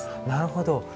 なるほど。